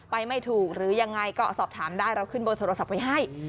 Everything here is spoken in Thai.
ไปไม่ถูกหรืออย่างไรก็สอบถามกายเราขึ้นบนโทรศัพท์ไปให้